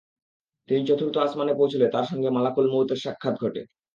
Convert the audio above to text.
তিনি চতুর্থ আসমানে পৌঁছলে তার সঙ্গে মালাকুল মউতের সাক্ষাত ঘটে।